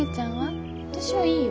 私はいいよ。